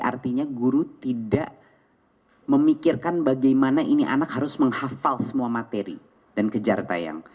artinya guru tidak memikirkan bagaimana ini anak harus menghafal semua materi dan kejar tayang